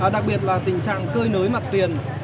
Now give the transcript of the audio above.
đặc biệt là tình trạng cơi nới mặt tiền